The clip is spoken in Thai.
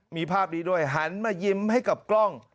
มีภาพนี้ด้วยหันมายิ้มให้กับกล้อง